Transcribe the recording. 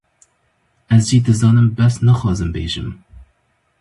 Ez jî dizanim bes naxwazim bêjim